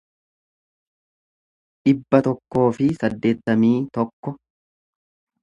dhibba tokkoo fi saddeettamii tokko